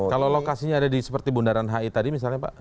kalau lokasinya ada di seperti bundaran hi tadi misalnya pak